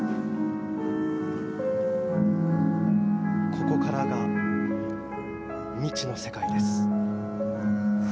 ここからが未知の世界です。